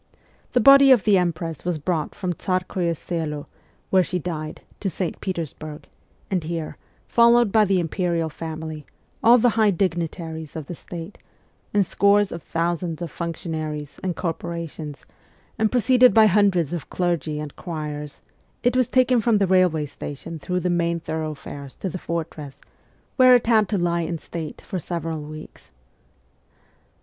The body of the empress was brought from Tsarkoye Selo, where she died, to St. Petersburg, and here, followed by the imperial family, all the high dignitaries of the state, and scores of thousands of functionaries and corpora tions, and preceded by hundreds of clergy and choirs, it was taken from the railway station through the main thoroughfares to the fortress, where it had to lie in state for several weeks.